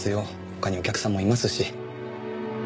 他にお客さんもいますし。